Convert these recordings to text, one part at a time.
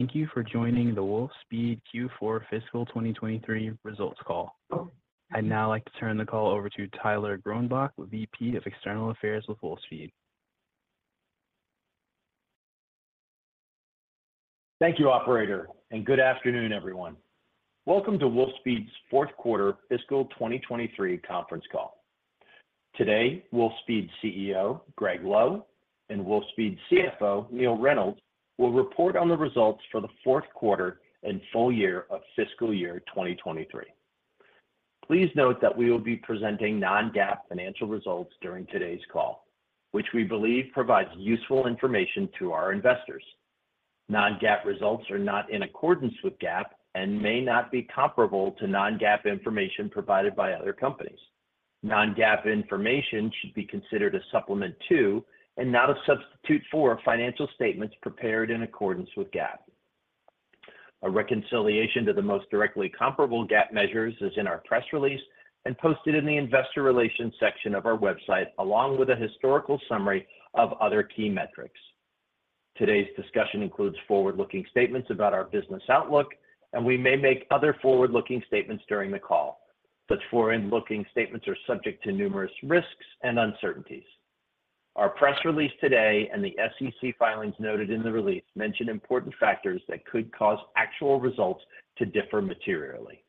Thank you for joining the Wolfspeed Q4 Fiscal 2023 Results Call. I'd now like to turn the call over to Tyler Gronbach, VP of External Affairs with Wolfspeed. Thank you, operator. Good afternoon, everyone. Welcome to Wolfspeed's fourth quarter fiscal 2023 conference call. Today, Wolfspeed CEO, Gregg Lowe, and Wolfspeed CFO, Neill Reynolds, will report on the results for the fourth quarter and full year of fiscal year 2023. Please note that we will be presenting non-GAAP financial results during today's call, which we believe provides useful information to our investors. Non-GAAP results are not in accordance with GAAP and may not be comparable to non-GAAP information provided by other companies. Non-GAAP information should be considered a supplement to, and not a substitute for, financial statements prepared in accordance with GAAP. A reconciliation to the most directly comparable GAAP measures is in our press release and posted in the investor relations section of our website, along with a historical summary of other key metrics. Today's discussion includes forward-looking statements about our business outlook, and we may make other forward-looking statements during the call. Such forward-looking statements are subject to numerous risks and uncertainties. Our press release today and the SEC filings noted in the release mention important factors that could cause actual results to differ materially.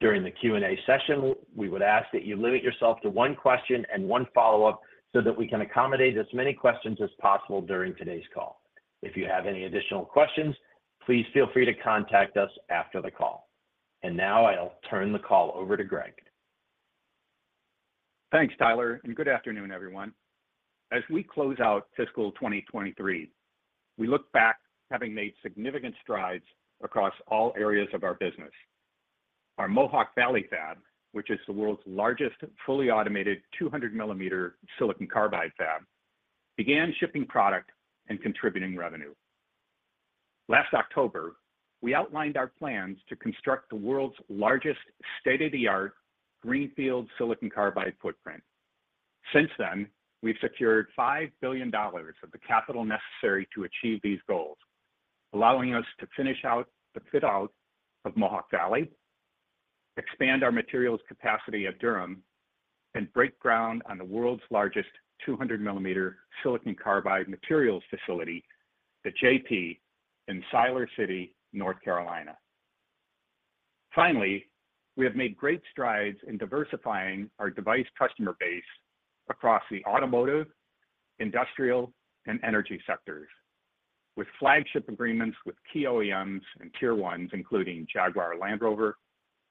During the Q&A session, we would ask that you limit yourself to one question and one follow-up, so that we can accommodate as many questions as possible during today's call. If you have any additional questions, please feel free to contact us after the call. Now I'll turn the call over to Gregg. Thanks, Tyler. Good afternoon, everyone. As we close out fiscal 2023, we look back having made significant strides across all areas of our business. Our Mohawk Valley Fab, which is the world's largest fully automated 200mm silicon carbide Fab, began shipping product and contributing revenue. Last October, we outlined our plans to construct the world's largest state-of-the-art greenfield silicon carbide footprint. Since then, we've secured $5 billion of the capital necessary to achieve these goals, allowing us to finish out the fit-out of Mohawk Valley, expand our materials capacity at Durham, and break ground on the world's largest 200mm silicon carbide materials facility, the JP, in Siler City, North Carolina. Finally, we have made great strides in diversifying our device customer base across the automotive, industrial, and energy sectors, with flagship agreements with key OEMs and Tier 1s, including Jaguar Land Rover,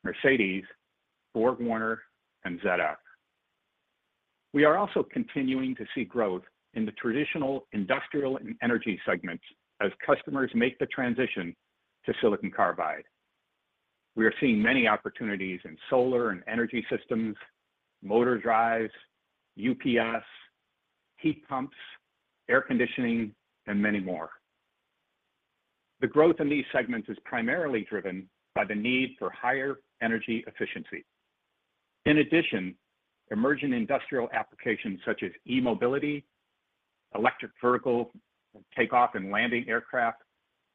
Mercedes, BorgWarner, and ZF. We are also continuing to see growth in the traditional industrial and energy segments as customers make the transition to silicon carbide. We are seeing many opportunities in solar and energy systems, motor drives, UPS, heat pumps, air conditioning, and many more. The growth in these segments is primarily driven by the need for higher energy efficiency. In addition, emerging industrial applications such as e-mobility, electric vertical takeoff and landing aircraft,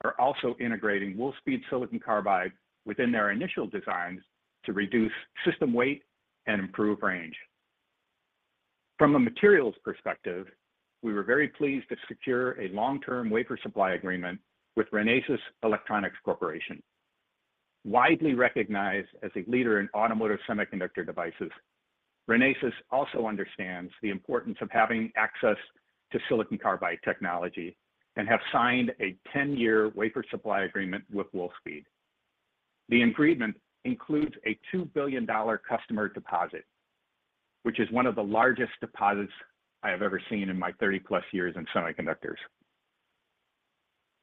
are also integrating Wolfspeed silicon carbide within their initial designs to reduce system weight and improve range. From a materials perspective, we were very pleased to secure a long-term wafer supply agreement with Renesas Electronics Corporation. Widely recognized as a leader in automotive semiconductor devices, Renesas also understands the importance of having access to silicon carbide technology and have signed a 10-year wafer supply agreement with Wolfspeed. The agreement includes a $2 billion customer deposit, which is one of the largest deposits I have ever seen in my 30-plus years in semiconductors.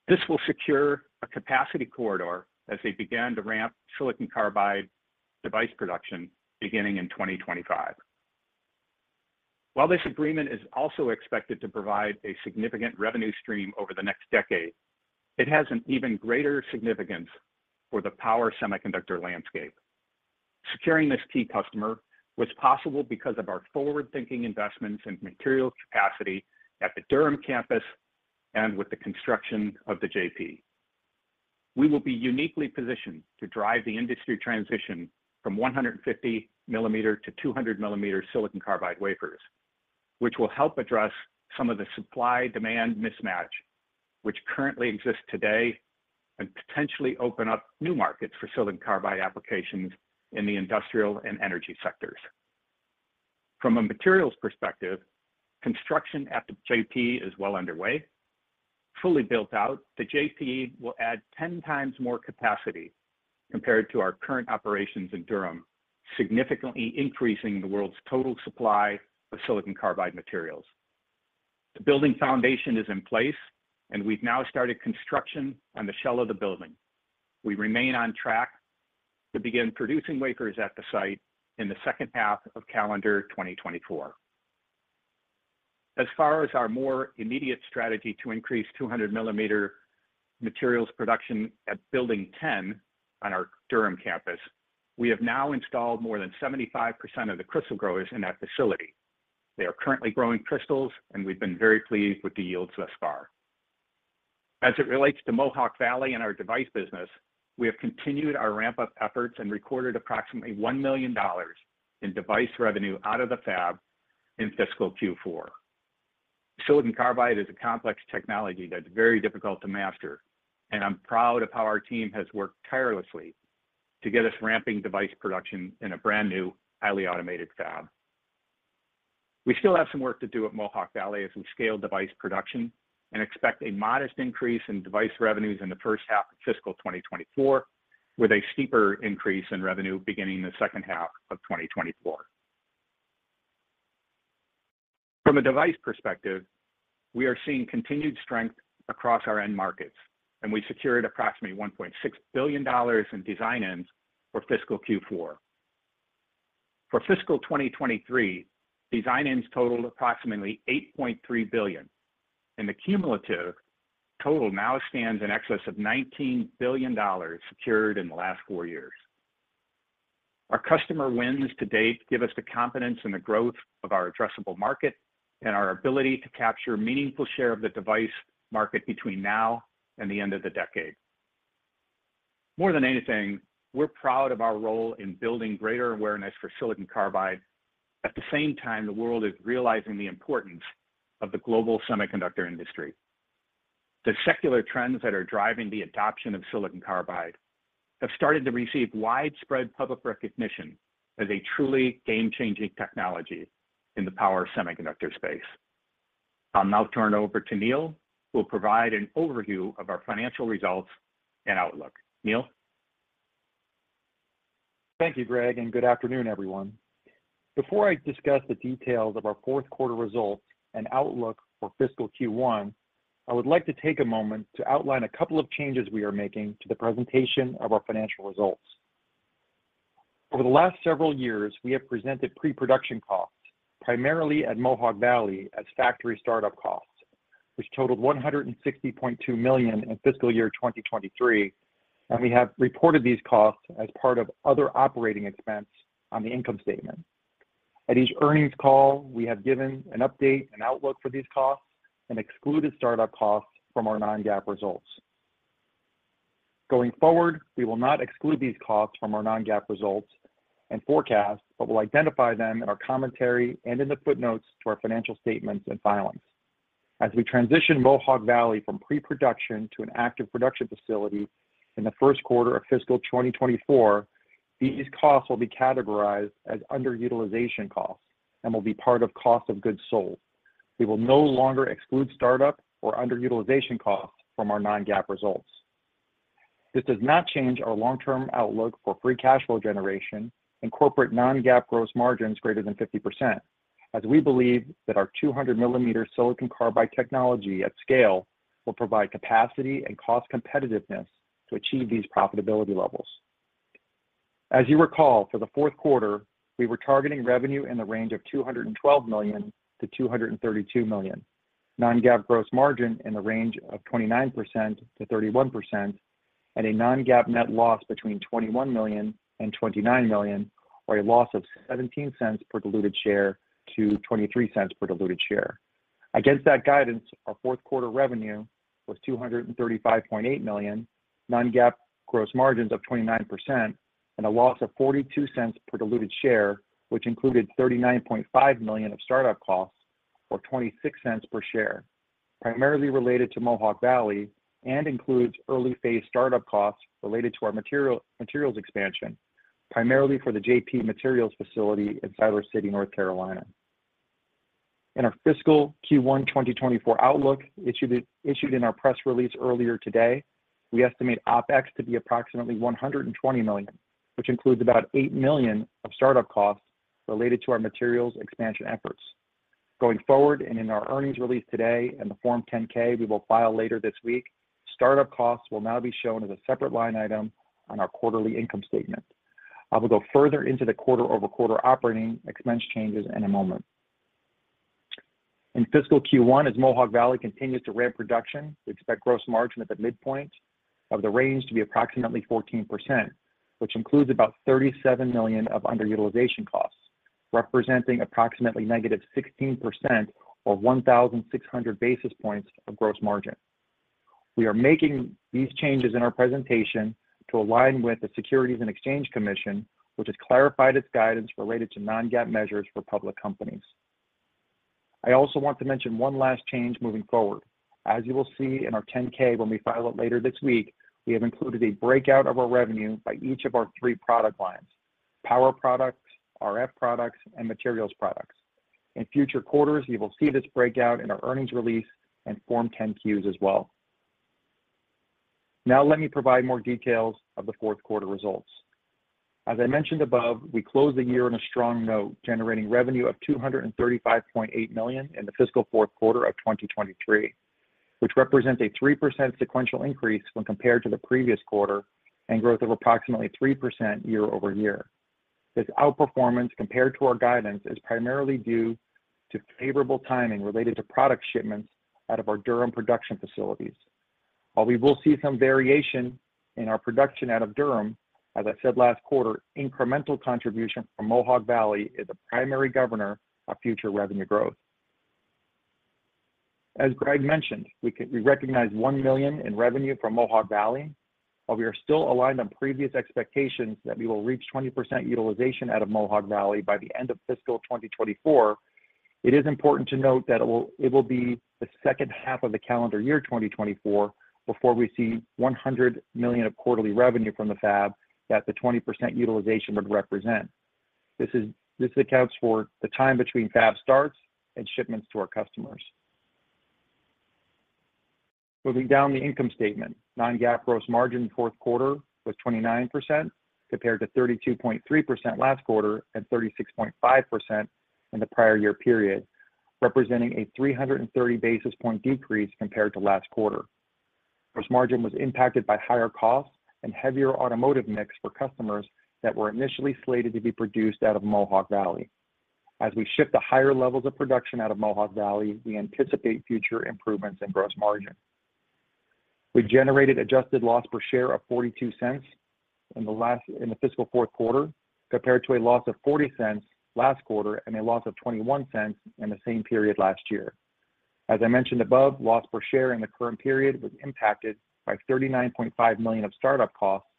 This will secure a capacity corridor as they begin to ramp silicon carbide device production beginning in 2025. While this agreement is also expected to provide a significant revenue stream over the next decade, it has an even greater significance for the power semiconductor landscape. Securing this key customer was possible because of our forward-thinking investments in material capacity at the Durham campus and with the construction of the JP. We will be uniquely positioned to drive the industry transition from 150mm to 200mm silicon carbide wafers, which will help address some of the supply-demand mismatch which currently exists today, and potentially open up new markets for silicon carbide applications in the industrial and energy sectors. From a materials perspective, construction at the JP is well underway. Fully built out, the JP will add 10 times more capacity compared to our current operations in Durham, significantly increasing the world's total supply of silicon carbide materials. The building foundation is in place, and we've now started construction on the shell of the building. We remain on track to begin producing wafers at the site in the second half of calendar 2024. As far as our more immediate strategy to increase 200mm materials production at Building Ten on our Durham campus, we have now installed more than 75% of the crystal growers in that facility.... They are currently growing crystals, and we've been very pleased with the yields thus far. As it relates to Mohawk Valley and our device business, we have continued our ramp-up efforts and recorded approximately $1 million in device revenue out of the fab in fiscal Q4. silicon carbide is a complex technology that's very difficult to master, and I'm proud of how our team has worked tirelessly to get us ramping device production in a brand-new, highly automated fab. We still have some work to do at Mohawk Valley as we scale device production and expect a modest increase in device revenues in the first half of fiscal 2024, with a steeper increase in revenue beginning in the second half of 2024. From a device perspective, we are seeing continued strength across our end markets, and we secured approximately $1.6 billion in design wins for fiscal Q4. For fiscal 2023, design wins totaled approximately $8.3 billion, and the cumulative total now stands in excess of $19 billion secured in the last four years. Our customer wins to date give us the confidence in the growth of our addressable market and our ability to capture a meaningful share of the device market between now and the end of the decade. More than anything, we're proud of our role in building greater awareness for silicon carbide. At the same time, the world is realizing the importance of the global semiconductor industry. The secular trends that are driving the adoption of silicon carbide have started to receive widespread public recognition as a truly game-changing technology in the power semiconductor space. I'll now turn it over to Neill, who will provide an overview of our financial results and outlook. Neill? Thank you, Greg, good afternoon, everyone. Before I discuss the details of our fourth quarter results and outlook for fiscal Q1, I would like to take a moment to outline a couple of changes we are making to the presentation of our financial results. Over the last several years, we have presented pre-production costs, primarily at Mohawk Valley, as factory startup costs, which totaled $160.2 million in fiscal year 2023, and we have reported these costs as part of other operating expense on the income statement. At each earnings call, we have given an update and outlook for these costs and excluded startup costs from our non-GAAP results. Going forward, we will not exclude these costs from our non-GAAP results and forecasts, but will identify them in our commentary and in the footnotes to our financial statements and filings. As we transition Mohawk Valley from pre-production to an active production facility in the first quarter of fiscal 2024, these costs will be categorized as underutilization costs and will be part of cost of goods sold. We will no longer exclude startup or underutilization costs from our non-GAAP results. This does not change our long-term outlook for free cash flow generation and corporate non-GAAP gross margins greater than 50%, as we believe that our 200mm silicon carbide technology at scale will provide capacity and cost competitiveness to achieve these profitability levels. As you recall, for the fourth quarter, we were targeting revenue in the range of $212 million-$232 million, non-GAAP gross margin in the range of 29%-31%, and a non-GAAP net loss between $21 million and $29 million, or a loss of $0.17 per diluted share to $0.23 per diluted share. Against that guidance, our fourth quarter revenue was $235.8 million, non-GAAP gross margins of 29%, and a loss of $0.42 per diluted share, which included $39.5 million of startup costs, or $0.26 per share, primarily related to Mohawk Valley and includes early-phase startup costs related to our materials expansion, primarily for the JP Materials facility in Siler City, North Carolina. In our fiscal Q1 2024 outlook, issued in our press release earlier today, we estimate OpEx to be approximately $120 million, which includes about $8 million of startup costs related to our materials expansion efforts. Going forward, in our earnings release today and the Form 10-K we will file later this week, startup costs will now be shown as a separate line item on our quarterly income statement. I will go further into the quarter-over-quarter operating expense changes in a moment. In fiscal Q1, as Mohawk Valley continues to ramp production, we expect gross margin at the midpoint of the range to be approximately 14%, which includes about $37 million of underutilization costs, representing approximately -16% or 1,600 basis points of gross margin. We are making these changes in our presentation to align with the Securities and Exchange Commission, which has clarified its guidance related to non-GAAP measures for public companies. I also want to mention one last change moving forward. As you will see in our 10-K when we file it later this week, we have included a breakout of our revenue by each of our three product lines: power products, RF products, and materials products. In future quarters, you will see this breakout in our earnings release and Form 10-Qs as well. Let me provide more details of the fourth quarter results. As I mentioned above, we closed the year on a strong note, generating revenue of $235.8 million in the fiscal fourth quarter of 2023, which represents a 3% sequential increase when compared to the previous quarter and growth of approximately 3% year-over-year. This outperformance compared to our guidance is primarily due to favorable timing related to product shipments out of our Durham production facilities. While we will see some variation in our production out of Durham, as I said last quarter, incremental contribution from Mohawk Valley is a primary governor of future revenue growth. As Gregg mentioned, we recognized $1 million in revenue from Mohawk Valley, while we are still aligned on previous expectations that we will reach 20% utilization out of Mohawk Valley by the end of fiscal 2024. It is important to note that it will be the second half of the calendar year, 2024, before we see $100 million of quarterly revenue from the fab that the 20% utilization would represent. This accounts for the time between fab starts and shipments to our customers. Moving down the income statement, non-GAAP gross margin in the fourth quarter was 29%, compared to 32.3% last quarter and 36.5% in the prior year period, representing a 330 basis point decrease compared to last quarter. Gross margin was impacted by higher costs and heavier automotive mix for customers that were initially slated to be produced out of Mohawk Valley. As we ship the higher levels of production out of Mohawk Valley, we anticipate future improvements in gross margin. We generated adjusted loss per share of $0.42 in the fiscal fourth quarter, compared to a loss of $0.40 last quarter and a loss of $0.21 in the same period last year. As I mentioned above, loss per share in the current period was impacted by $39.5 million of startup costs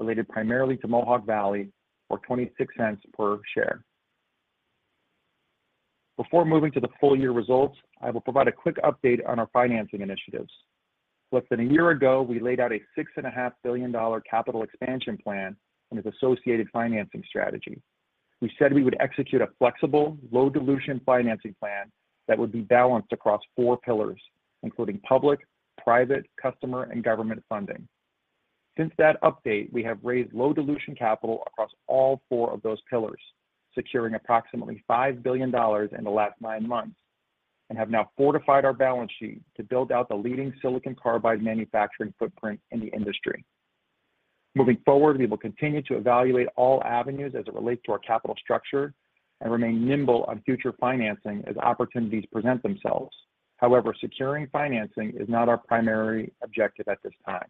related primarily to Mohawk Valley, or $0.26 per share. Before moving to the full year results, I will provide a quick update on our financing initiatives. Less than a year ago, we laid out a $6.5 billion capital expansion plan and its associated financing strategy. We said we would execute a flexible, low dilution financing plan that would be balanced across four pillars, including public, private, customer, and government funding. Since that update, we have raised low dilution capital across all four of those pillars, securing approximately $5 billion in the last 9 months, and have now fortified our balance sheet to build out the leading silicon carbide manufacturing footprint in the industry. Moving forward, we will continue to evaluate all avenues as it relates to our capital structure and remain nimble on future financing as opportunities present themselves. However, securing financing is not our primary objective at this time.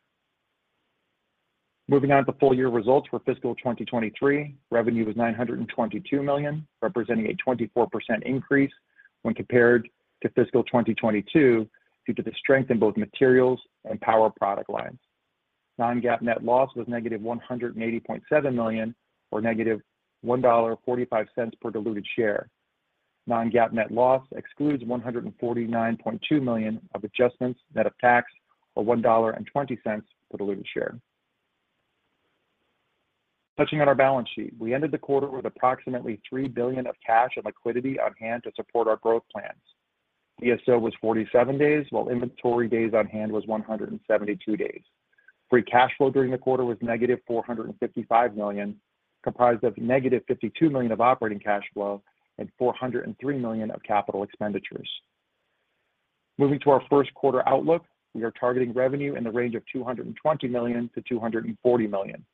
Moving on to the full year results for fiscal 2023, revenue was $922 million, representing a 24% increase when compared to fiscal 2022 due to the strength in both materials and power product lines. Non-GAAP net loss was negative $180.7 million, or negative $1.45 per diluted share. Non-GAAP net loss excludes $149.2 million of adjustments, net of tax, or $1.20 per diluted share. Touching on our balance sheet, we ended the quarter with approximately $3 billion of cash and liquidity on hand to support our growth plans. DSO was 47 days, while inventory days on hand was 172 days. Free cash flow during the quarter was -$455 million, comprised of -$52 million of operating cash flow and $403 million of capital expenditures. Moving to our first quarter outlook, we are targeting revenue in the range of $220 million-$240 million.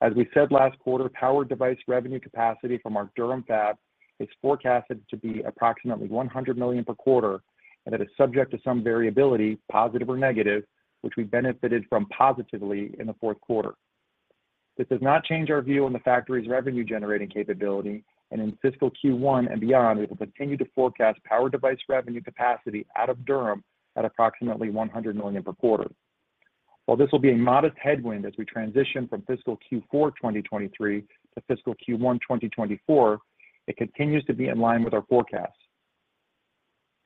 As we said last quarter, power device revenue capacity from our Durham fab is forecasted to be approximately $100 million per quarter, and that is subject to some variability, positive or negative, which we benefited from positively in the 4th quarter. This does not change our view on the factory's revenue-generating capability, and in fiscal Q1 and beyond, we will continue to forecast power device revenue capacity out of Durham at approximately $100 million per quarter. While this will be a modest headwind as we transition from fiscal Q4, 2023 to fiscal Q1, 2024, it continues to be in line with our forecast.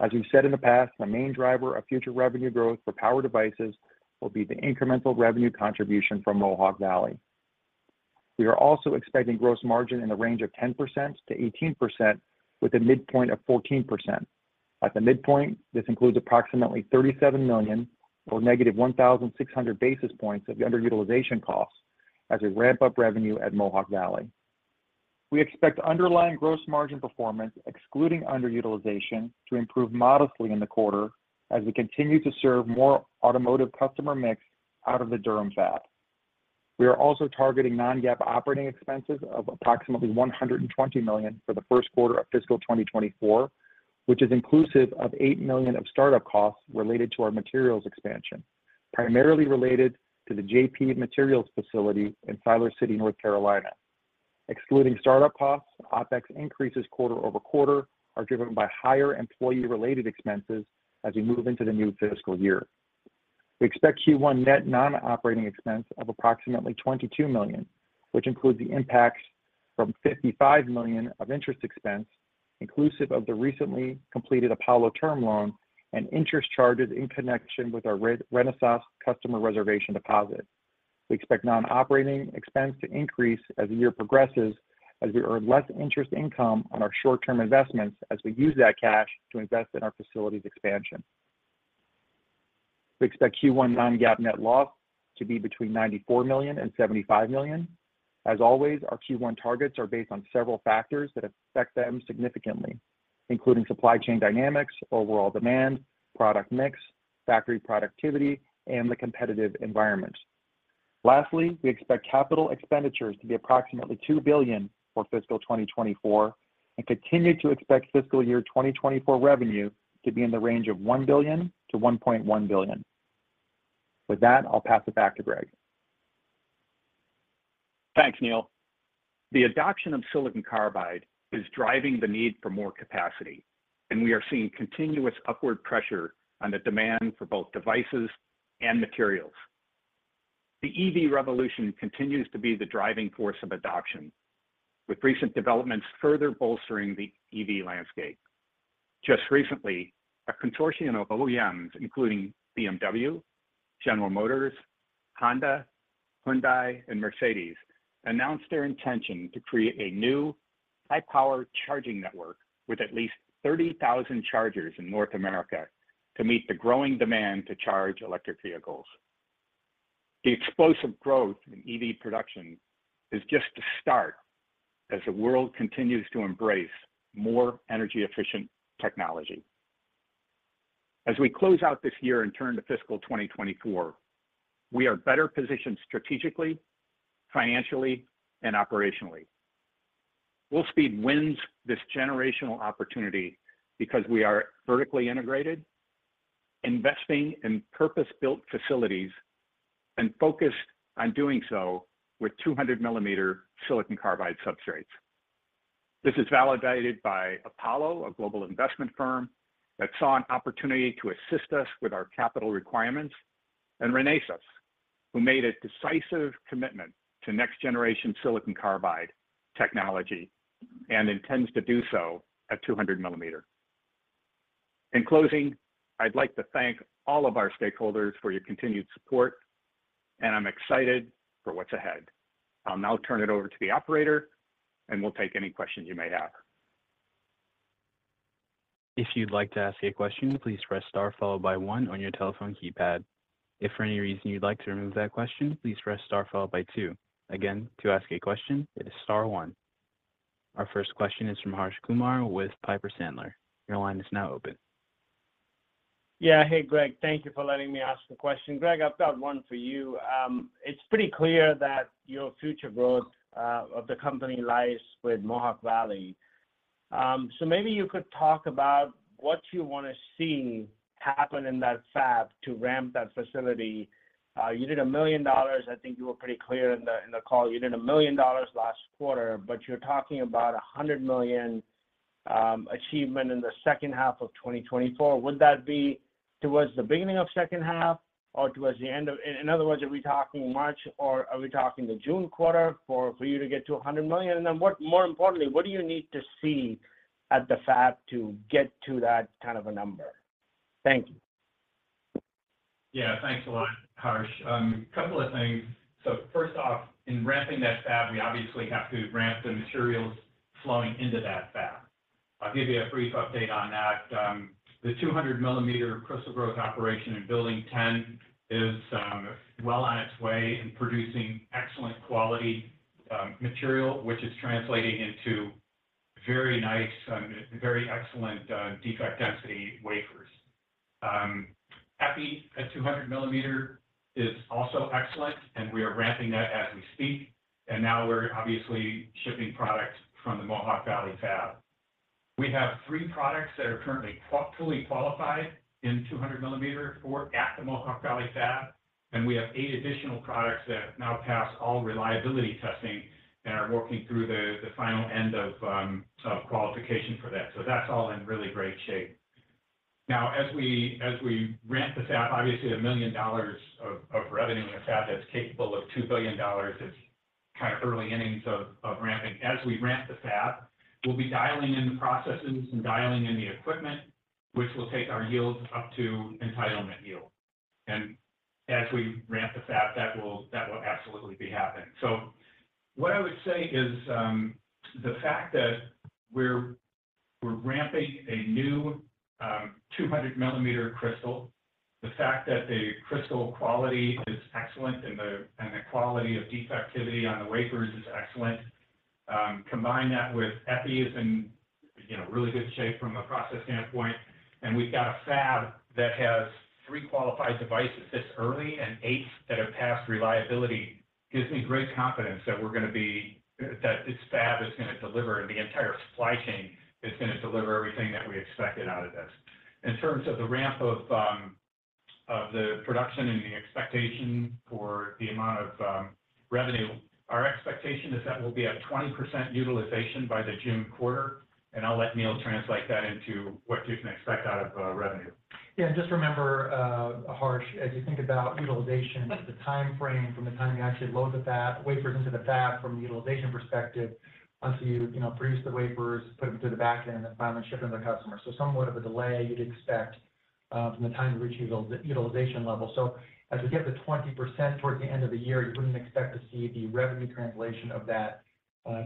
As we've said in the past, the main driver of future revenue growth for power devices will be the incremental revenue contribution from Mohawk Valley. We are also expecting gross margin in the range of 10%-18%, with a midpoint of 14%. At the midpoint, this includes approximately $37 million or -1,600 basis points of underutilization costs as we ramp up revenue at Mohawk Valley. We expect underlying gross margin performance, excluding underutilization, to improve modestly in the quarter as we continue to serve more automotive customer mix out of the Durham fab. We are also targeting non-GAAP operating expenses of approximately $120 million for the first quarter of fiscal 2024, which is inclusive of $8 million of startup costs related to our materials expansion, primarily related to the JP Materials facility in Siler City, North Carolina. Excluding startup costs, OpEx increases quarter-over-quarter are driven by higher employee-related expenses as we move into the new fiscal year. We expect Q1 net non-operating expense of approximately $22 million, which includes the impacts from $55 million of interest expense, inclusive of the recently completed Apollo term loan and interest charges in connection with our Renesas customer reservation deposit. We expect non-operating expense to increase as the year progresses, as we earn less interest income on our short-term investments, as we use that cash to invest in our facilities expansion. We expect Q1 non-GAAP net loss to be between $94 million and $75 million. As always, our Q1 targets are based on several factors that affect them significantly, including supply chain dynamics, overall demand, product mix, factory productivity, and the competitive environment. ... lastly, we expect capital expenditures to be approximately $2 billion for fiscal 2024, and continue to expect fiscal year 2024 revenue to be in the range of $1 billion-$1.1 billion. With that, I'll pass it back to Gregg. Thanks, Neilll. The adoption of silicon carbide is driving the need for more capacity, and we are seeing continuous upward pressure on the demand for both devices and materials. The EV revolution continues to be the driving force of adoption, with recent developments further bolstering the EV landscape. Just recently, a consortium of OEMs, including BMW, General Motors, Honda, Hyundai, and Mercedes, announced their intention to create a new high-power charging network with at least 30,000 chargers in North America to meet the growing demand to charge electric vehicles. The explosive growth in EV production is just the start as the world continues to embrace more energy-efficient technology. As we close out this year and turn to fiscal 2024, we are better positioned strategically, financially, and operationally. Wolfspeed wins this generational opportunity because we are vertically integrated, investing in purpose-built facilities, and focused on doing so with 200 millimeter silicon carbide substrates. This is validated by Apollo, a global investment firm that saw an opportunity to assist us with our capital requirements, and Renesas, who made a decisive commitment to next generation silicon carbide technology and intends to do so at 200 millimeter. In closing, I'd like to thank all of our stakeholders for your continued support, and I'm excited for what's ahead. I'll now turn it over to the operator, and we'll take any questions you may have. If you'd like to ask a question, please press Star followed by one on your telephone keypad. If for any reason you'd like to remove that question, please press Star followed by two. Again, to ask a question, it is Star one. Our first question is from Harsh Kumar with Piper Sandler. Your line is now open. Yeah. Hey, Gregg, thank you for letting me ask the question. Gregg, I've got one for you. It's pretty clear that your future growth of the company lies with Mohawk Valley. Maybe you could talk about what you want to see happen in that fab to ramp that facility. You did $1 million, I think you were pretty clear in the call. You did $1 million last quarter, but you're talking about $100 million achievement in the second half of 2024. Would that be towards the beginning of second half or towards the end of-- In, in other words, are we talking March or are we talking the June quarter for, for you to get to $100 million? More importantly, what do you need to see at the fab to get to that kind of a number? Thank you. Yeah, thanks a lot, Harsh. Couple of things. First off, in ramping that fab, we obviously have to ramp the materials flowing into that fab. I'll give you a brief update on that. The 200mm crystal growth operation in Building 10 is well on its way in producing excellent quality material, which is translating into very nice, very excellent defect density wafers. epi at 200mm is also excellent, we are ramping that as we speak, and now we're obviously shipping product from the Mohawk Valley Fab. We have three products that are currently fully qualified in 200mm at the Mohawk Valley Fab, and we have 8 additional products that have now passed all reliability testing and are working through the final end of qualification for that. That's all in really great shape. As we ramp the fab, obviously $1 million of revenue in a fab that's capable of $2 billion is kind of early innings of ramping. As we ramp the fab, we'll be dialing in the processes and dialing in the equipment, which will take our yields up to entitlement yield. As we ramp the fab, that will absolutely be happening. What I would say is, the fact that we're, we're ramping a new, 200mm crystal, the fact that the crystal quality is excellent and the, and the quality of defectivity on the wafers is excellent, combine that with epi in, you know, really good shape from a process standpoint, and we've got a fab that has three qualified devices this early and 8 that have passed reliability, gives me great confidence that we're gonna be that this fab is gonna deliver, and the entire supply chain is gonna deliver everything that we expected out of this. In terms of the ramp of, of the production and the expectation for the amount of, revenue, our expectation is that we'll be at 20% utilization by the June quarter, and I'll let Neilll translate that into what you can expect out of, revenue. Yeah, just remember, Harsh, as you think about utilization, the time frame from the time you actually load the fab wafers into the fab from a utilization perspective, until you, you know, produce the wafers, put them through the back end, and finally ship them to customer. Somewhat of a delay you'd expect from the time to reach utilization level. As we get to 20% towards the end of the year, you wouldn't expect to see the revenue translation of that.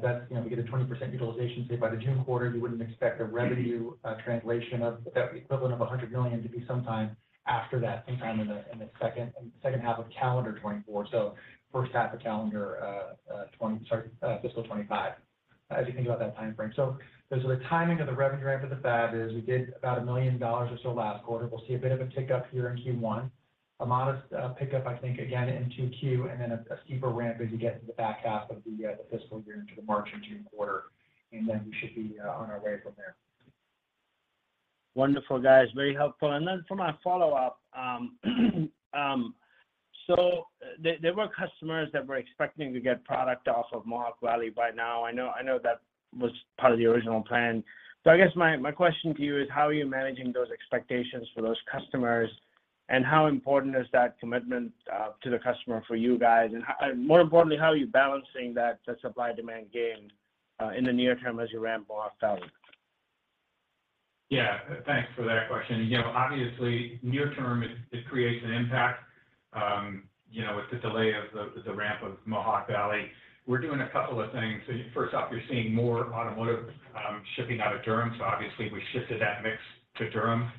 That's, you know, we get a 20% utilization, say, by the June quarter, you wouldn't expect a revenue translation of the equivalent of $100 million to be sometime after that, sometime in the second, in the second half of calendar 2024. First half of calendar, sorry, fiscal 2025.... as you think about that time frame. The timing of the revenue ramp at the fab is we did about $1 million or so last quarter. We'll see a bit of a tick-up here in Q1, a modest pick-up, I think, again in Q2, and then a steeper ramp as you get into the back half of the fiscal year into the March and June quarter, and then we should be on our way from there. Wonderful, guys. Very helpful. For my follow-up, there were customers that were expecting to get product off of Mohawk Valley by now. I know, I know that was part of the original plan. I guess my, my question to you is, how are you managing those expectations for those customers, and how important is that commitment to the customer for you guys? More importantly, how are you balancing that, the supply-demand game, in the near term as you ramp Mohawk Valley? Yeah, thanks for that question. You know, obviously, near term, it, it creates an impact, you know, with the delay of the, the ramp of Mohawk Valley. We're doing a couple of things. First off, you're seeing more automotive, shipping out of Durham, obviously, we shifted that mix to Durham.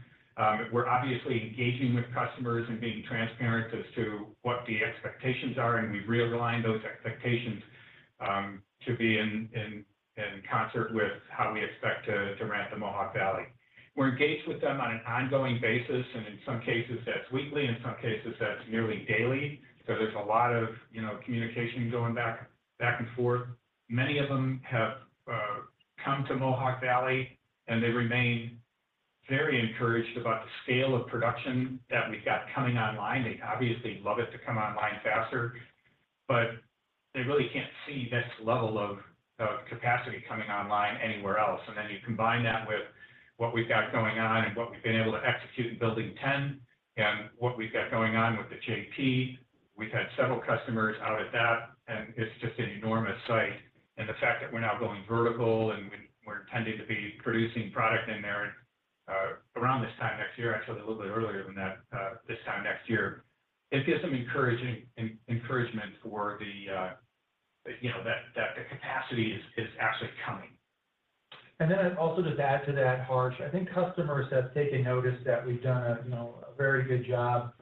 We're obviously engaging with customers and being transparent as to what the expectations are, and we've realigned those expectations, to be in, in, in concert with how we expect to, to ramp the Mohawk Valley. We're engaged with them on an ongoing basis, and in some cases, that's weekly, and in some cases, that's nearly daily. There's a lot of, you know, communication going back, back and forth. Many of them have, come to Mohawk Valley, and they remain very encouraged about the scale of production that we've got coming online. They obviously love it to come online faster, they really can't see this level of, of capacity coming online anywhere else. Then you combine that with what we've got going on and what we've been able to execute in Building 10 and what we've got going on with the JP. We've had several customers out at that, it's just an enormous site. The fact that we're now going vertical, and we're intending to be producing product in there, around this time next year, actually, a little bit earlier than that, this time next year, it gives some encouragement for the, you know, that, that the capacity is, is actually coming. Also to add to that, Harsh, I think customers have taken notice that we've done a, you know, a very good job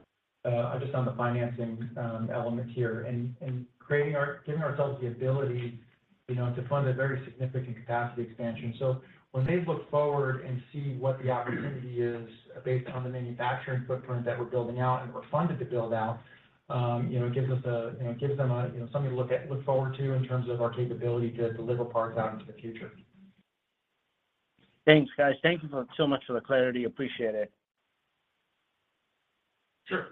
just on the financing element here and creating our giving ourselves the ability, you know, to fund a very significant capacity expansion. When they look forward and see what the opportunity is based on the manufacturing footprint that we're building out and we're funded to build out, you know, it gives us a, you know, it gives them a, you know, something to look at look forward to in terms of our capability to deliver parts out into the future. Thanks, guys. Thank you so much for the clarity. Appreciate it. Sure.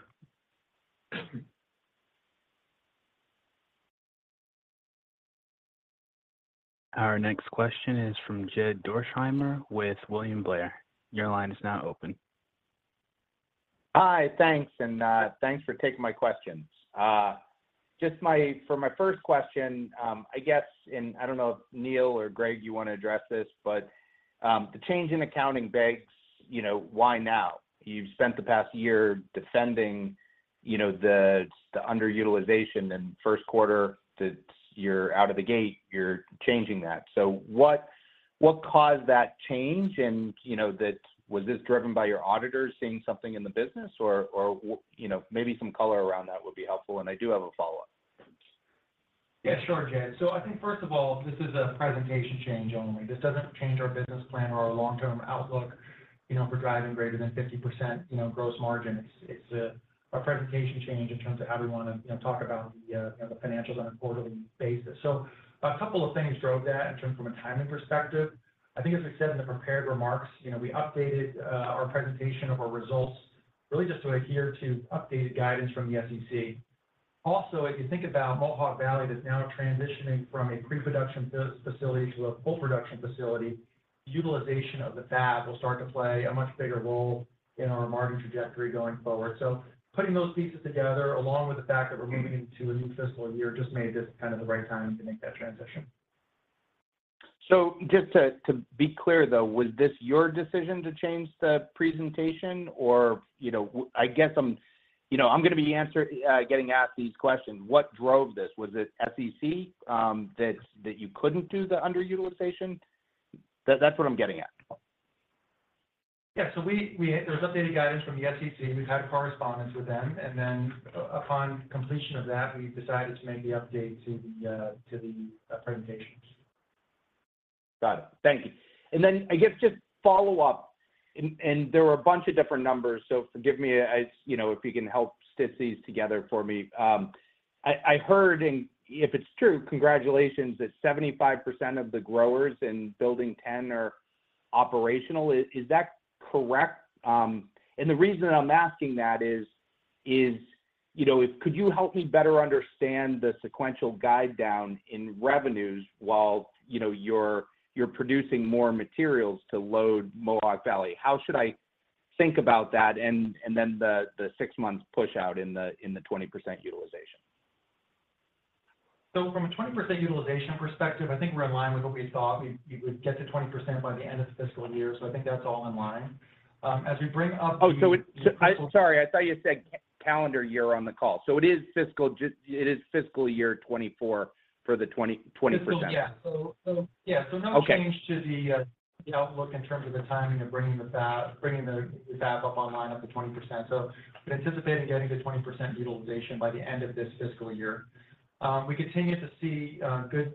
Our next question is from Jed Dorsheimer with William Blair. Your line is now open. Hi, thanks, and thanks for taking my questions. Just for my first question, I guess, and I don't know if Neilll or Greg, you want to address this, but, the change in accounting banks, you know, why now? You've spent the past year defending, you know, the underutilization, and first quarter, that you're out of the gate, you're changing that. What, what caused that change? You know, that... Was this driven by your auditors seeing something in the business? Or, or, you know, maybe some color around that would be helpful, and I do have a follow-up. Yeah, sure, Jed. I think, first of all, this is a presentation change only. This doesn't change our business plan or our long-term outlook. You know, we're driving greater than 50%, you know, gross margin. It's, it's a, a presentation change in terms of how we wanna, you know, talk about the financials on a quarterly basis. A couple of things drove that in terms from a timing perspective. I think as we said in the prepared remarks, you know, we updated our presentation of our results, really just to adhere to updated guidance from the SEC. Also, if you think about Mohawk Valley, that's now transitioning from a pre-production facility to a full production facility, utilization of the fab will start to play a much bigger role in our margin trajectory going forward. Putting those pieces together, along with the fact that we're moving into a new fiscal year, just made this kind of the right time to make that transition. Just to, to be clear, though, was this your decision to change the presentation? You know, I'm gonna be getting asked these questions. What drove this? Was it SEC that you couldn't do the underutilization? That's what I'm getting at. Yeah. There was updated guidance from the SEC, and we've had correspondence with them. Upon completion of that, we decided to make the update to the, to the, presentations. Got it. Thank you. I guess, just follow up, and, and there were a bunch of different numbers, so forgive me, as, you know, if you can help stitch these together for me. I, I heard, and if it's true, congratulations, that 75% of the growers in Building Ten are operational. Is, is that correct? The reason I'm asking that is, is, you know, if could you help me better understand the sequential guide down in revenues while, you know, you're, you're producing more materials to load Mohawk Valley? How should I think about that and, and then the, the 6 months push out in the, in the 20% utilization? From a 20% utilization perspective, I think we're in line with what we thought. We, we would get to 20% by the end of the fiscal year, so I think that's all in line. As we bring up the. Oh, so it... I'm sorry. I thought you said calendar year on the call. It is fiscal year 2024 for the 20%. Fiscal, yeah. so yeah- Okay so no change to the outlook in terms of the timing of bringing the fab, bringing the, the fab up online, up to 20%. We're anticipating getting to 20% utilization by the end of this fiscal year. We continue to see good,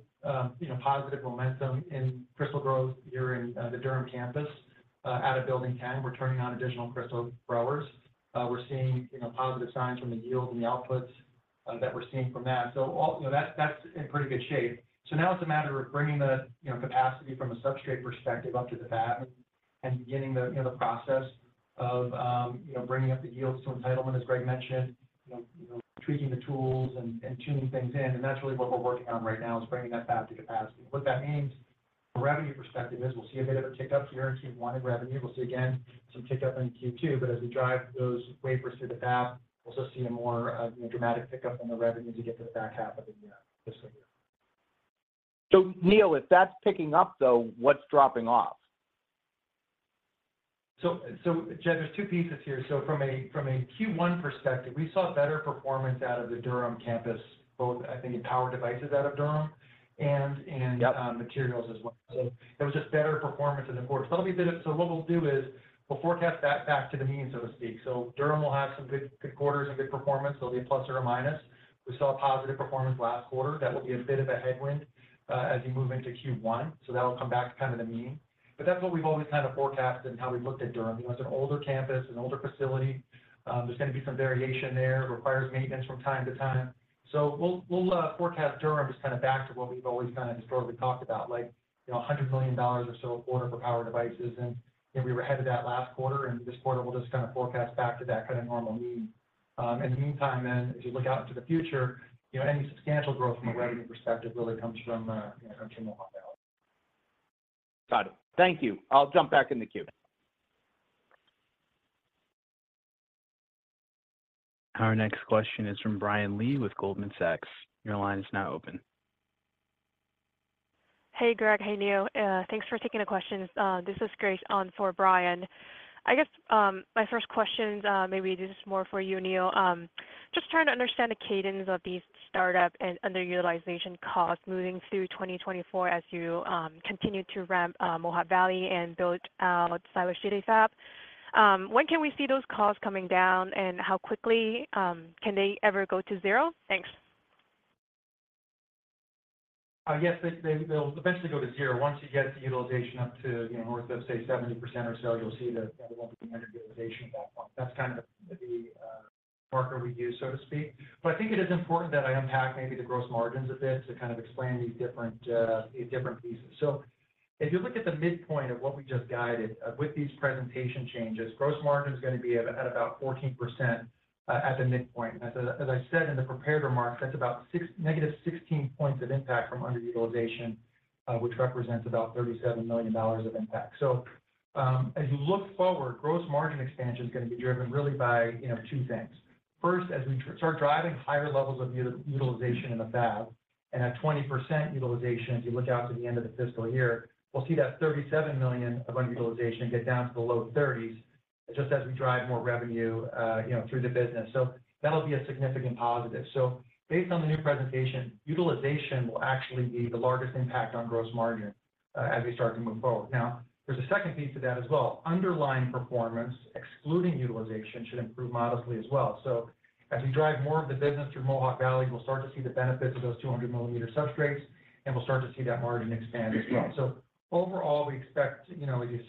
you know, positive momentum in crystal growth here in the Durham campus. Out of Building Ten, we're turning on additional crystal growers. We're seeing, you know, positive signs from the yields and the outputs that we're seeing from that. All. You know, that's, that's in pretty good shape. Now it's a matter of bringing the, you know, capacity from a substrate perspective up to the fab and beginning the, you know, the process of, you know, bringing up the yields to entitlement, as Greg mentioned. You know, you know, tweaking the tools and tuning things in, and that's really what we're working on right now, is bringing that back to capacity. What that means from a revenue perspective is we'll see a bit of a tick-up here in Q1 in revenue. We'll see again, some tick-up in Q2, but as we drive those wafers through the fab, we'll also see a more, you know, dramatic tick-up in the revenue to get the back half of the year, fiscal year. Neillll, if that's ticking up though, what's dropping off? Jed, there's two pieces here. From a, from a Q1 perspective, we saw better performance out of the Durham campus, both, I think, in power devices out of Durham and in- Yep... materials as well. It was just better performance in the quarter. What we will do is, we will forecast that back to the mean, so to speak. Durham will have some good, good quarters and good performance, there will be a plus or a minus. We saw a positive performance last quarter that will be a bit of a headwind, as we move into Q1, that will come back to kind of the mean. That is what we have always kind of forecasted and how we have looked at Durham. You know, it is an older campus, an older facility, there is going to be some variation there. It requires maintenance from time to time. We'll, we'll forecast Durham just kind of back to what we've always kind of historically talked about, like, you know, $100 million or so a quarter for power devices. You know, we were ahead of that last quarter, and this quarter we'll just kind of forecast back to that kind of normal mean. In the meantime, then, as you look out into the future, you know, any substantial growth from a revenue perspective really comes from, you know, from Mohawk Valley. Got it. Thank you. I'll jump back in the queue. Our next question is from Brian Lee with Goldman Sachs. Your line is now open. Hey, Greg. Hey, Neillll. Thanks for taking the questions. This is Grace on for Brian. I guess, my first question, maybe this is more for you, Neillll. Just trying to understand the cadence of these startup and underutilization costs moving through 2024 as you continue to ramp Mohawk Valley and build silicon carbide fab. When can we see those costs coming down, and how quickly? Can they ever go to zero? Thanks. Yes, they, they- they'll eventually go to 0. Once you get the utilization up to, you know, north of, say, 70% or so, you'll see that there won't be underutilization at that point. That's kind of the marker we use, so to speak. I think it is important that I unpack maybe the gross margins a bit to kind of explain these different, these different pieces. If you look at the midpoint of what we just guided, with these presentation changes, gross margin is gonna be at, at about 14%, at the midpoint. As I, as I said in the prepared remarks, that's about six-- negative 16 points of impact from underutilization, which represents about $37 million of impact. As you look forward, gross margin expansion is gonna be driven really by, you know, 2 things. First, as we start driving higher levels of utilization in the fab, and at 20% utilization, as you look out to the end of the fiscal year, we'll see that $37 million of underutilization get down to the low 30s, just as we drive more revenue, you know, through the business. That'll be a significant positive. Based on the new presentation, utilization will actually be the largest impact on gross margin, as we start to move forward. Now, there's a second piece to that as well. Underlying performance, excluding utilization, should improve modestly as well. As we drive more of the business through Mohawk Valley, we'll start to see the benefits of those 200mm substrates, and we'll start to see that margin expand as well. Overall, we expect, you know, as you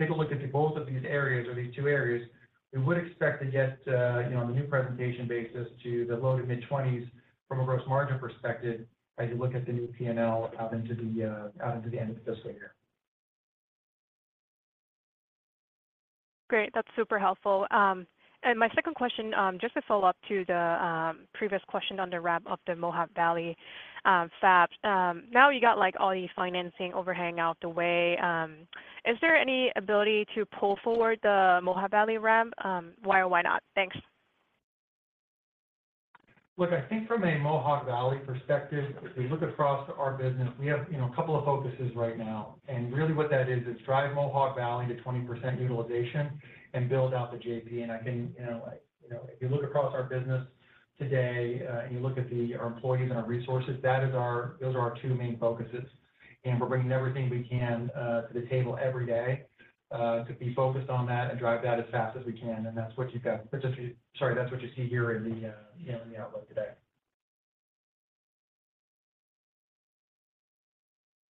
take a look into both of these areas or these two areas, we would expect to get, you know, on a new presentation basis, to the low to mid-20s from a gross margin perspective, as you look at the new PNL, into the out into the end of the fiscal year. Great, that's super helpful. My second question, just to follow up to the previous question on the ramp of the Mohawk Valley fab. Now you got, like, all the financing overhang out the way, is there any ability to pull forward the Mohawk Valley ramp? Why or why not? Thanks. Look, I think from a Mohawk Valley perspective, as we look across our business, we have, you know, a couple of focuses right now, and really what that is, is drive Mohawk Valley to 20% utilization and build out the JP. I think, you know, like, you know, if you look across our business today, and you look at our employees and our resources, that is those are our two main focuses. We're bringing everything we can to the table every day to be focused on that and drive that as fast as we can, and that's what you've got. That's what you see here in the outlook today.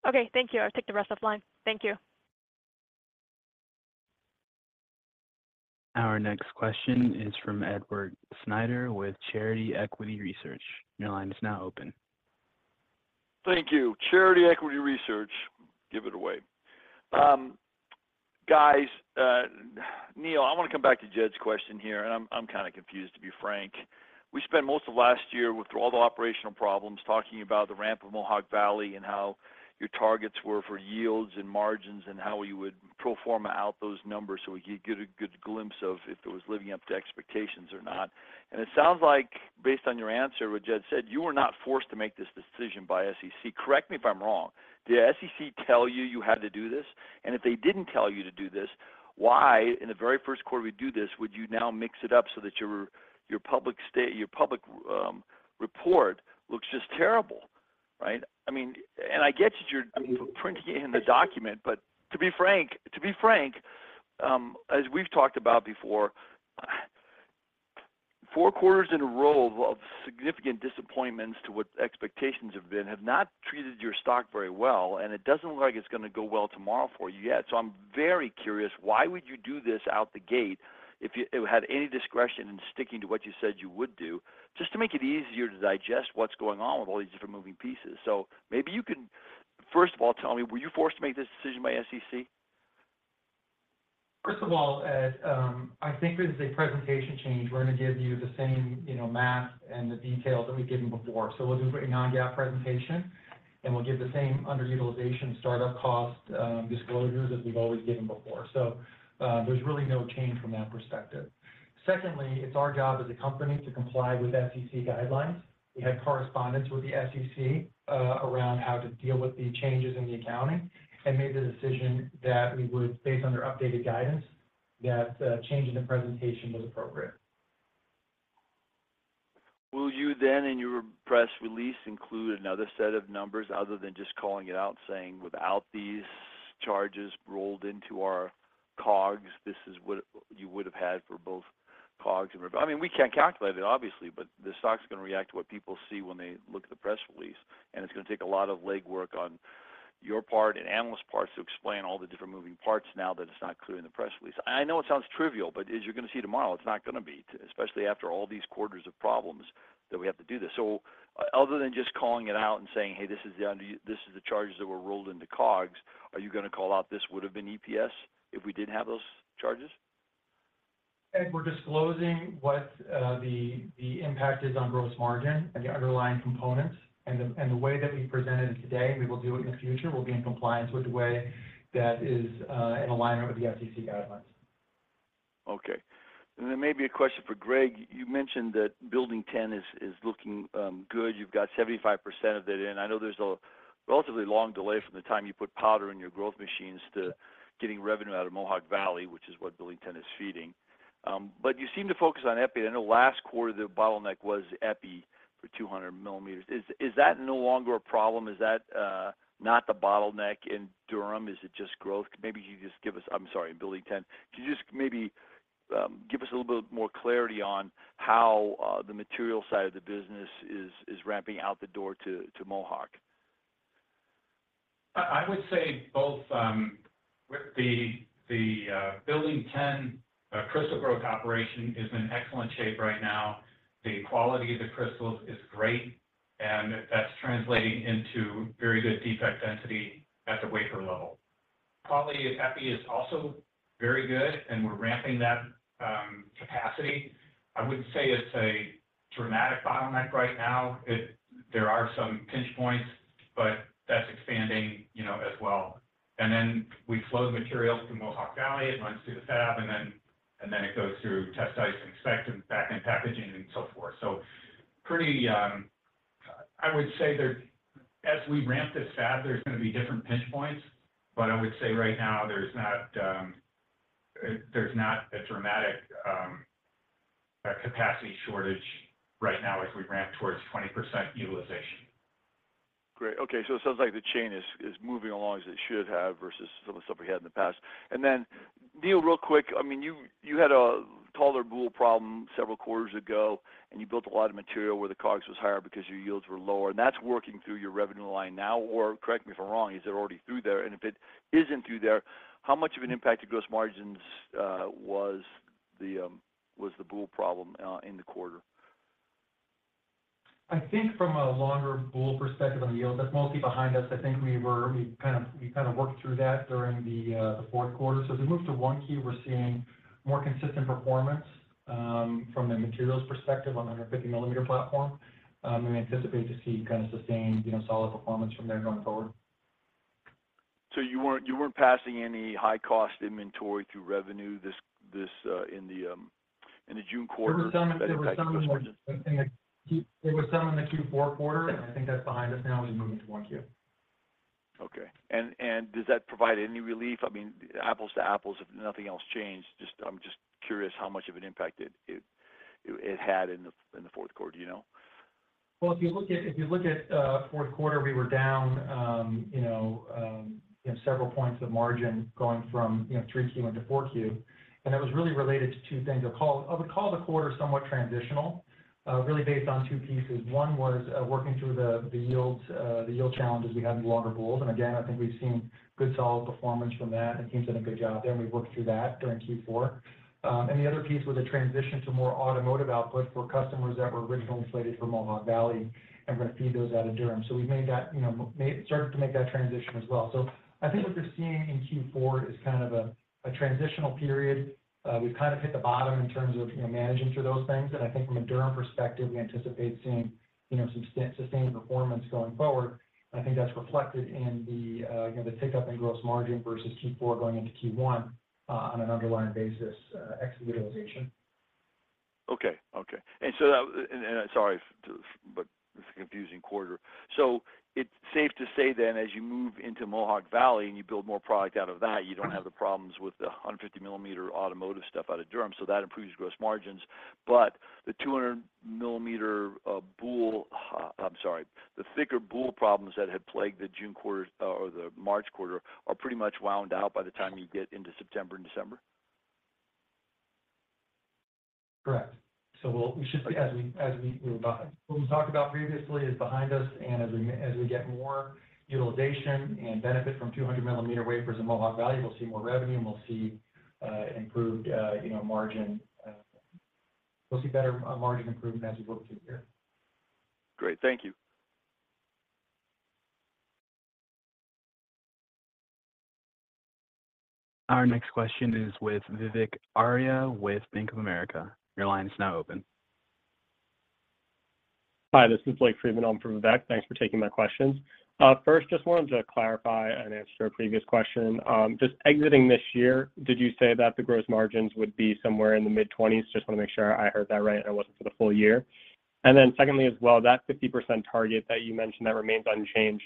Okay, thank you. I'll take the rest off line. Thank you. Our next question is from Edward Snyder with Charter Equity Research. Your line is now open. Thank you. Charter Equity Research, give it away. Guys, Neilll, I wanna come back to Jed's question here, and I'm, I'm kind of confused, to be frank. We spent most of last year with all the operational problems, talking about the ramp of Mohawk Valley and how your targets were for yields and margins, and how you would pro forma out those numbers so we could get a good glimpse of if it was living up to expectations or not. It sounds like, based on your answer, what Jed said, you were not forced to make this decision by SEC. Correct me if I'm wrong. Did the SEC tell you you had to do this? If they didn't tell you to do this, why, in the very first quarter we do this, would you now mix it up so that your, your public your public report looks just terrible, right? I mean, and I get that you're printing it in the document, but to be frank, to be frank, as we've talked about before. Four quarters in a row of, of significant disappointments to what expectations have been, have not treated your stock very well, and it doesn't look like it's gonna go well tomorrow for you yet. I'm very curious, why would you do this out the gate if you, if you had any discretion in sticking to what you said you would do, just to make it easier to digest what's going on with all these different moving pieces? Maybe you can, first of all, tell me, were you forced to make this decision by SEC? First of all, Ed, I think this is a presentation change. We're gonna give you the same, you know, math and the details that we've given before. We'll do a non-GAAP presentation, and we'll give the same underutilization startup cost disclosures as we've always given before. There's really no change from that perspective. Secondly, it's our job as a company to comply with SEC guidelines. We had correspondence with the SEC around how to deal with the changes in the accounting, and made the decision that we would, based on their updated guidance, that changing the presentation was appropriate. Will you then, in your press release, include another set of numbers other than just calling it out, saying, "Without these charges rolled into our COGS, this is what you would have had for both COGS and rev-"? I mean, we can't calculate it, obviously, but the stock's gonna react to what people see when they look at the press release, and it's gonna take a lot of legwork on your part and analysts' parts to explain all the different moving parts now that it's not clear in the press release. I know it sounds trivial, but as you're gonna see tomorrow, it's not gonna be, especially after all these quarters of problems, that we have to do this. Other than just calling it out and saying, "Hey, this is the charges that were rolled into COGS," are you gonna call out, "This would have been EPS if we didn't have those charges? Ed, we're disclosing what the impact is on gross margin and the underlying components. The way that we presented it today, we will do it in the future, will be in compliance with the way that is in alignment with the SEC guidelines. Okay. Then maybe a question for Greg. You mentioned that Building Ten is, is looking good. You've got 75% of it in. I know there's a relatively long delay from the time you put powder in your growth machines to getting revenue out of Mohawk Valley, which is what Building Ten is feeding. You seem to focus on epi I know last quarter, the bottleneck was epi for 200 millimeters. Is, is that no longer a problem? Is that not the bottleneck in Durham? Is it just growth? Maybe you just give us I'm sorry, in Building Ten. Could you just maybe, give us a little bit more clarity on how, the material side of the business is, is ramping out the door to, to Mohawk? I, I would say both, with the Building Ten crystal growth operation is in excellent shape right now. The quality of the crystals is great, and that's translating into very good defect density at the wafer level. Quality at epi is also very good, and we're ramping that capacity. I wouldn't say it's a dramatic bottleneck right now. There are some pinch points, but that's expanding, you know, as well. Then we flow the materials through Mohawk Valley, it runs through the fab, then it goes through test dice and inspect and back-end packaging, and so forth. Pretty, I would say there- as we ramp this fab, there's gonna be different pinch points, but I would say right now, there's not, there's not a dramatic, capacity shortage right now as we ramp towards 20% utilization. Great. Okay, it sounds like the chain is, is moving along as it should have versus some of the stuff we had in the past. Then, Neillll, real quick, I mean, you, you had a taller boule problem several quarters ago, and you built a lot of material where the COGS was higher because your yields were lower, and that's working through your revenue line now. Correct me if I'm wrong, is it already through there? If it isn't through there, how much of an impact to gross margins was the boule problem in the quarter? I think from a longer boule perspective on the yield, that's mostly behind us. I think we kind of worked through that during the fourth quarter. As we move to Q1, we're seeing more consistent performance from the materials perspective on the 150 millimeter platform. We anticipate to see kind of sustained, you know, solid performance from there going forward. you weren't, you weren't passing any high-cost inventory through revenue this, this, in the June quarter? There was some in the Q4 quarter, and I think that's behind us now as we move into 1 Q. Okay. Does that provide any relief? I mean, apples to apples, if nothing else changed, just, I'm just curious how much of an impact it, it, it had in the, in the fourth quarter, do you know? Well, if you look at, if you look at fourth quarter, we were down, you know, in several points of margin going from, you know, 3Q into 4Q, and that was really related to 2 things. I would call the quarter somewhat transitional, really based on two pieces. one was, working through the, the yields, the yield challenges we had in the longer boules. Again, I think we've seen good, solid performance from that. The team's done a good job there, and we've worked through that during Q4. And the other piece was a transition to more automotive output for customers that were originally slated for Mohawk Valley, and we're gonna feed those out of Durham. We made that, you know, started to make that transition as well. I think what we're seeing in Q4 is kind of a, a transitional period. We've kind of hit the bottom in terms of, you know, managing through those things. I think from a Durham perspective, we anticipate seeing, you know, some sustained performance going forward. I think that's reflected in the, you know, the pickup in gross margin versus Q4 going into Q1, on an underlying basis, ex the utilization. Okay. Okay. So that... and sorry, but it's a confusing quarter. It's safe to say then, as you move into Mohawk Valley and you build more product out of that, you don't have the problems with the 150mm automotive stuff out of Durham, so that improves gross margins, but the 200mm boule, I'm sorry, the thicker boule problems that had plagued the June quarter or the March quarter are pretty much wound out by the time you get into September and December? Correct. We should, as we, as we, what we talked about previously is behind us. As we, as we get more utilization and benefit from 200mm wafers in Mohawk Valley, we'll see more revenue, and we'll see improved, you know, margin. We'll see better margin improvement as we go through the year. Great. Thank you. Our next question is with Vivek Arya, with Bank of America. Your line is now open. Hi, this is Blake Friedman. I'm from Vivek. Thanks for taking my questions. First, just wanted to clarify and answer a previous question. Just exiting this year, did you say that the gross margins would be somewhere in the mid-20s? Just want to make sure I heard that right, and it wasn't for the full year. Secondly, as well, that 50% target that you mentioned, that remains unchanged.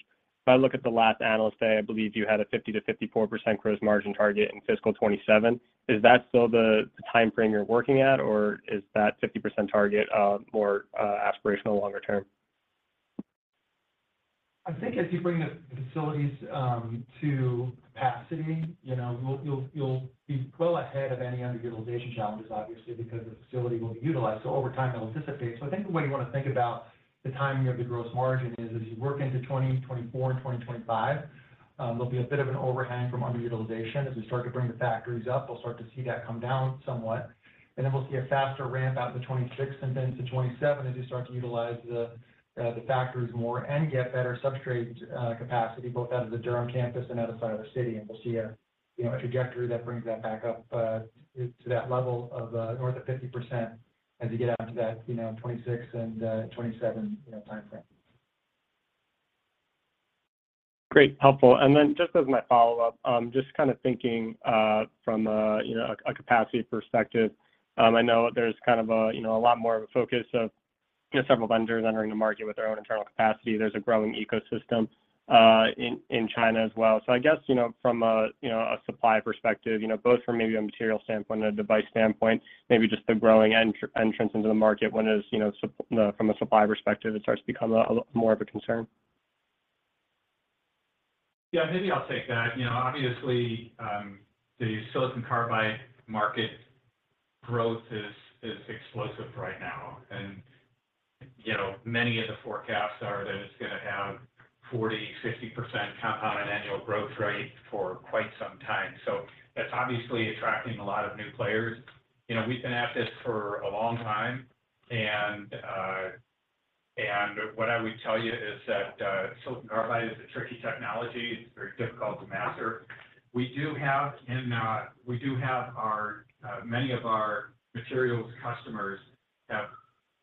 If I look at the last analyst day, I believe you had a 50%-54% gross margin target in fiscal 2027. Is that still the, the timeframe you're working at, or is that 50% target, more, aspirational longer term? I think as you bring the facilities to capacity, you know, you'll, you'll, you'll be well ahead of any underutilization challenges, obviously, because the facility will be utilized. Over time, it'll dissipate. I think the way you want to think about the timing of the gross margin is, as you work into 2024 and 2025, there'll be a bit of an overhang from underutilization. As we start to bring the factories up, we'll start to see that come down somewhat, and then we'll see a faster ramp out to 2026 and then to 2027, as you start to utilize the factories more and get better substrate capacity, both out of the Durham campus and out of Siler City. We'll see a, you know, a trajectory that brings that back up to that level of north of 50% as you get out to that, you know, 2026 and 2027, you know, timeframe. Great, helpful. Then just as my follow-up, just kind of thinking, from a, you know, a capacity perspective, I know there's kind of a, you know, a lot more of a focus of, you know, several vendors entering the market with their own internal capacity. There's a growing ecosystem in China as well. I guess, you know, from a, you know, a supply perspective, you know, both from maybe a material standpoint or a device standpoint, maybe just the growing entrance into the market, when is, you know, supply from a supply perspective, it starts to become a more of a concern? Yeah, maybe I'll take that. You know, obviously, the silicon carbide market growth is, is explosive right now. You know, many of the forecasts are that it's gonna have 40%, 50% compound annual growth rate for quite some time. That's obviously attracting a lot of new players. You know, we've been at this for a long time, and what I would tell you is that silicon carbide is a tricky technology. It's very difficult to master. We do have many of our materials customers have,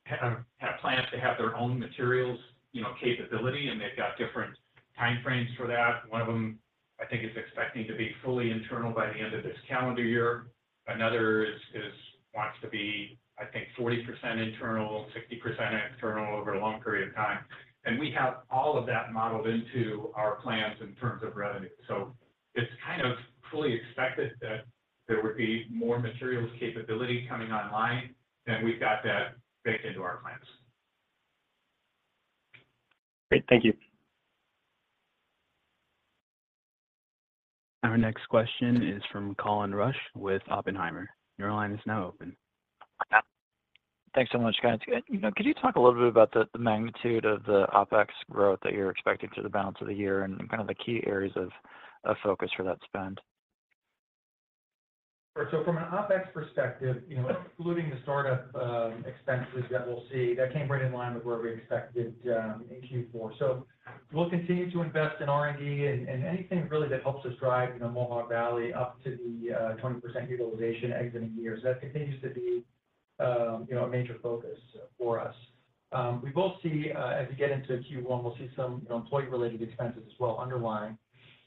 have, have plans to have their own materials, you know, capability, and they've got different time frames for that. One of them, I think, is expecting to be fully internal by the end of this calendar year. Another is wants to be, I think, 40% internal, 60% internal over a long period of time. We have all of that modeled into our plans in terms of revenue. It's kind of fully expected that there would be more materials capability coming online, and we've got that baked into our plans. Great. Thank you. Our next question is from Colin Rusch with Oppenheimer. Your line is now open. Thanks so much, guys. You know, could you talk a little bit about the, the magnitude of the OpEx growth that you're expecting for the balance of the year and kind of the key areas of, of focus for that spend? Sure. From an OpEx perspective, you know, including the start-up expenses that we'll see, that came right in line with where we expected in Q4. We'll continue to invest in R&D and anything really that helps us drive, you know, Mohawk Valley up to the 20% utilization exiting year. That continues to be, you know, a major focus for us. We will see, as we get into Q1, we'll see some, you know, employee-related expenses as well,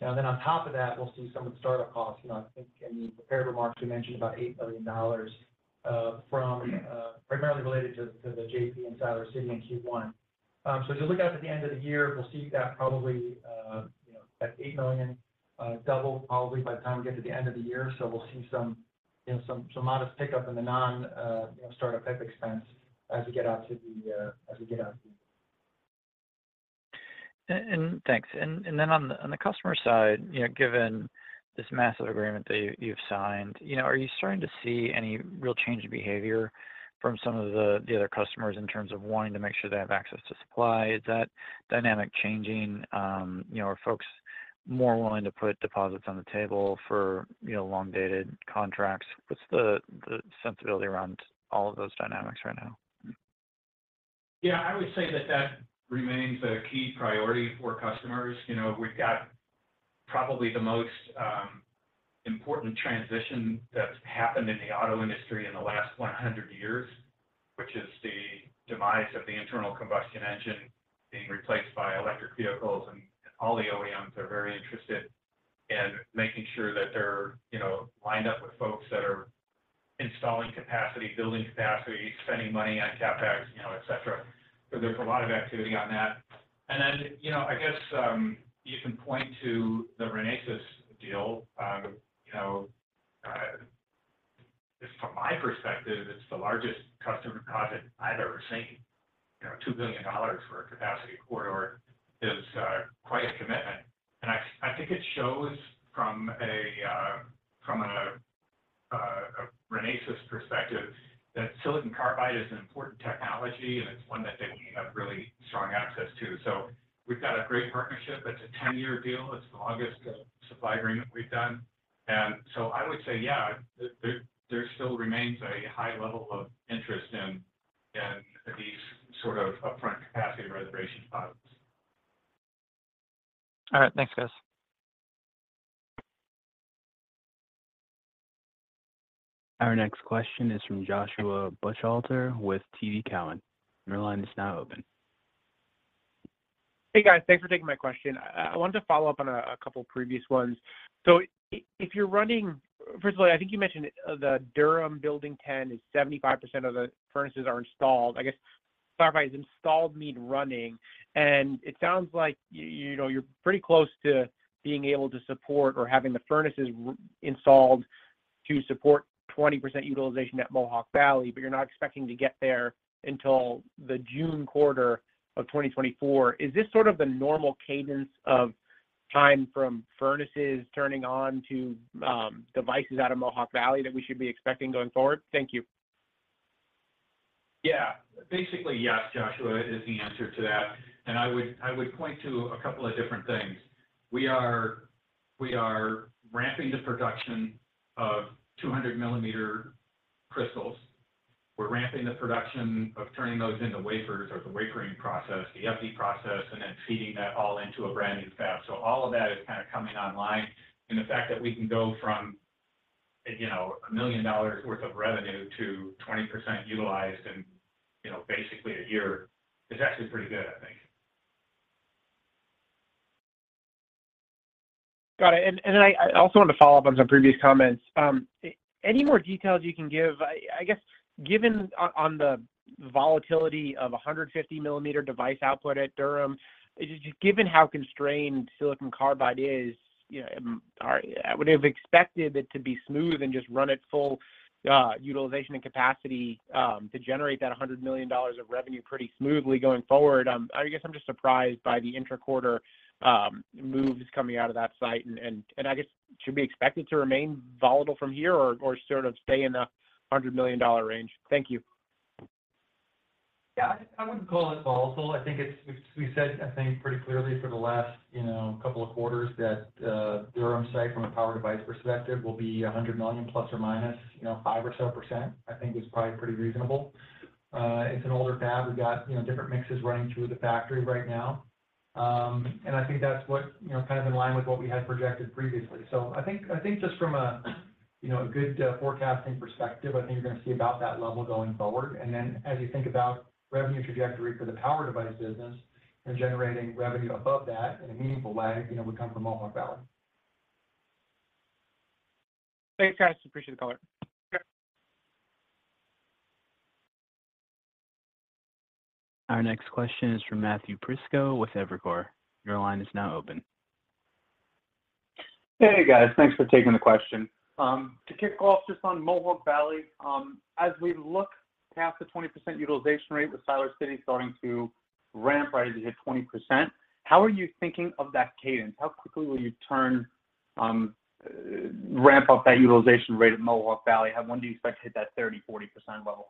underlying. On top of that, we'll see some of the start-up costs. You know, I think in the prepared remarks, we mentioned about $8 million from primarily related to the JP and Siler City in Q1. As you look out to the end of the year, we'll see that probably, you know, that $8 million double probably by the time we get to the end of the year. We'll see some, you know, some, some modest pickup in the non, you know, startup type expense as we get out to the as we get out. Thanks. And then on the, on the customer side, you know, given this massive agreement that you, you've signed, you know, are you starting to see any real change in behavior from some of the, the other customers in terms of wanting to make sure they have access to supply? Is that dynamic changing? You know, are folks more willing to put deposits on the table for, you know, long-dated contracts? What's the, the sensibility around all of those dynamics right now? Yeah, I would say that that remains a key priority for customers. You know, we've got probably the most important transition that's happened in the auto industry in the last 100 years, which is the demise of the internal combustion engine being replaced by electric vehicles. All the OEMs are very interested in making sure that they're, you know, lined up with folks that are installing capacity, building capacity, spending money on CapEx, you know, et cetera. So there's a lot of activity on that front. Then, you know, I guess, you can point to the Renesas deal. You know, just from my perspective, it's the largest customer deposit I've ever seen. You know, $2 billion for a capacity corridor is quite a commitment, and I, I think it shows from a, from a, a Renesas perspective that silicon carbide is an important technology, and it's one that they need to have really strong access to. We've got a great partnership. It's a 10-year deal. It's the longest supply agreement we've done. I would say, yeah, there, there, there still remains a high level of interest in, in these sort of upfront capacity reservation spots. All right. Thanks, guys. Our next question is from Joshua Buchalter with TD Cowen. Your line is now open. Hey, guys. Thanks for taking my question. I, I wanted to follow up on a, a couple of previous ones. So if you're running-- firstly, I think you mentioned, the Durham Building Ten is 75% of the furnaces are installed. I guess, silicon carbide is installed, need running, and it sounds like you know, you're pretty close to being able to support or having the furnaces installed to support 20% utilization at Mohawk Valley, but you're not expecting to get there until the June quarter of 2024. Is this sort of the normal cadence of time from furnaces turning on to devices out of Mohawk Valley that we should be expecting going forward? Thank you. Yeah. Basically, yes, Joshua, is the answer to that, and I would, I would point to a couple of different things. We are, we are ramping the production of 200mm crystals. We're ramping the production of turning those into wafers or the wafering process, the epi process, and then feeding that all into a brand-new fab. All of that is kind of coming online, and the fact that we can go from, you know, $1 million worth of revenue to 20% utilized in, you know, basically a year is actually pretty good, I think. Got it. Then I, I also wanted to follow up on some previous comments. Any more details you can give? I guess, given on the volatility of 150mm device output at Durham, just given how constrained silicon carbide is, you know, I would have expected it to be smooth and just run at full utilization and capacity to generate that $100 million of revenue pretty smoothly going forward. I guess I'm just surprised by the intra-quarter moves coming out of that site, and I guess, should we expect it to remain volatile from here or sort of stay in the $100 million range? Thank you. Yeah, I, I wouldn't call it volatile. I think it's. We've, we said, I think, pretty clearly for the last, you know, couple of quarters that, Durham site, from a power device perspective, will be $100 million plus or minus, you know, 5% or so. I think it's probably pretty reasonable. It's an older fab. We've got, you know, different mixes running through the factory right now. And I think that's what, you know, kind of in line with what we had projected previously. I think, I think just from a, you know, a good forecasting perspective, I think you're going to see about that level going forward. And then, as you think about revenue trajectory for the power device business and generating revenue above that, and a meaningful lag, you know, would come from Mohawk Valley. Thanks, guys. Appreciate the color. Our next question is from Matthew Prisco with Evercore. Your line is now open. Hey, guys. Thanks for taking the question. To kick off, just on Mohawk Valley, as we look past the 20% utilization rate with Siler City starting to ramp, right, to hit 20%, how are you thinking of that cadence? How quickly will you turn, ramp up that utilization rate at Mohawk Valley? When do you expect to hit that 30%, 40% level?